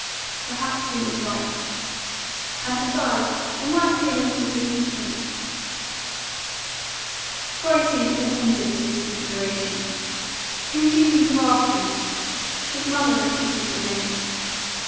"Perhaps he was right." "And besides, it might seem a little significant." Corey seemed inattentive to this consideration. "Whom did you think of asking?" His mother repeated the names.